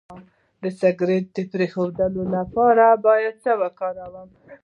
د سګرټ د پرېښودو لپاره باید څه شی وکاروم؟